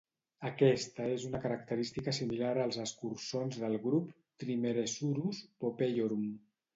Aquesta és una característica similar als escurçons del grup "Trimeresurus popeiorum".